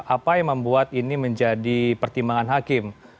apa yang membuat ini menjadi pertimbangan hakim